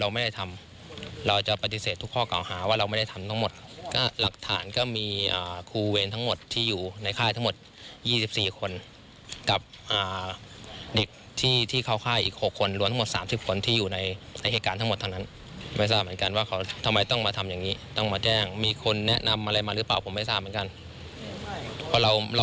มารึเปล่าผมไม่ทราบเหมือนกันเพราะเราเรา